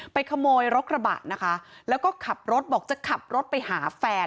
ขโมยรถกระบะนะคะแล้วก็ขับรถบอกจะขับรถไปหาแฟน